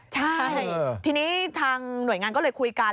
ใช่ทีนี้ทางหน่วยงานก็เลยคุยกัน